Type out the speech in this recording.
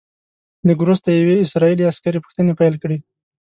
لږ وروسته یوې اسرائیلي عسکرې پوښتنې پیل کړې.